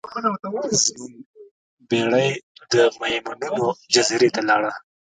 زموږ بیړۍ د میمونونو جزیرې ته لاړه.